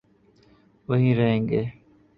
وہی رہیں گے۔